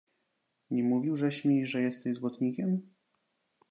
"Nie mówił żeś mi, że jesteś złotnikiem?"